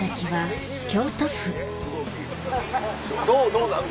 どうなん？